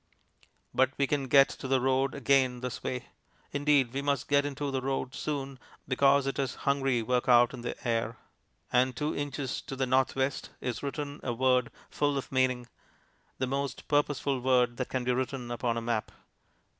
But we can get into the road again this way. Indeed, we must get into the road soon because it is hungry work out in the air, and two inches to the north west is written a word full of meaning the most purposeful word that can be written upon a map.